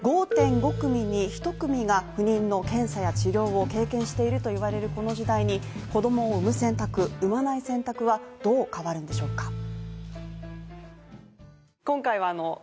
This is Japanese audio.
５．５組に１組が不妊の検査や治療を経験しているといわれる、この時代に子供を産む選択、産まない選択はどう変わるんでしょうか。